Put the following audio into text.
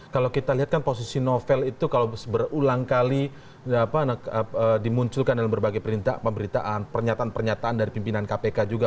kalau kita lihat kan posisi novel itu kalau berulang kali dimunculkan dalam berbagai perintah pemberitaan pernyataan pernyataan dari pimpinan kpk juga